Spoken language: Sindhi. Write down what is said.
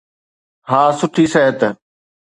ها، سٺي صحت.